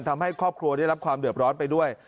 ทำให้ครอบครัวได้รับความเดือดร้อนไปด้วย